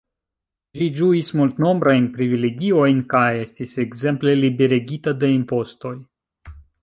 Ĝi ĝuis multnombrajn privilegiojn kaj estis ekzemple liberigita de impostoj.